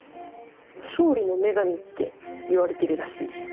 「勝利の女神」って言われてるらしいです。